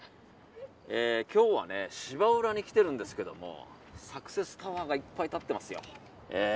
今日は芝浦に来ているんですけどサクセスタワーがいっぱい立ってますよ。